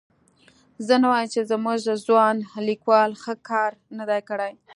زه نه وایم چې زموږ ځوان لیکوال ښه کار نه دی کړی.